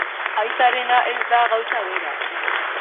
Aitarena ez da gauza bera.